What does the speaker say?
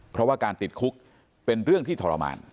เพราะว่าการติดคุกเป็นเรื่องที่ทรมาน